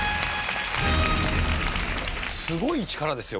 すごい力ですよ